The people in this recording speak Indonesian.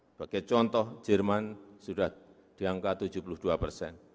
sebagai contoh jerman sudah diangkat tujuh puluh dua persen